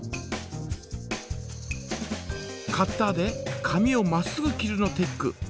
カッターで紙をまっすぐ切るのテック。